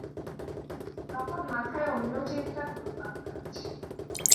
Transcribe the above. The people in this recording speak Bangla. তখন মাথায় অন্য চিন্তা ঘুরপাক খাচ্ছে।